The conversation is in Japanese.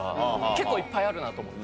結構いっぱいあるなと思って。